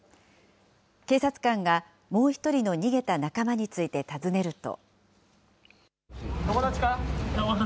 警察官が、もう１人の逃げた仲間について尋ねると。